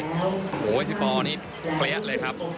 โอ้โหพี่ปอนี่เปรี้ยเลยครับ